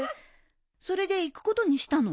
それで行くことにしたの？